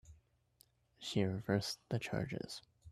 She reversed the charges.